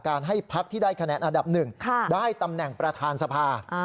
ให้พักที่ได้คะแนนอันดับหนึ่งได้ตำแหน่งประธานสภา